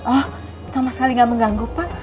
oh sama sekali nggak mengganggu pak